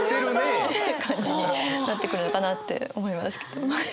感じになってくるのかなって思いますけど。